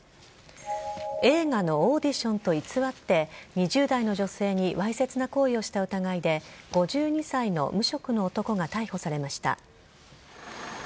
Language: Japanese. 映画のオーディションと偽って、２０代の女性にわいせつな行為をした疑いで、５２歳の無職の男が逮捕されました。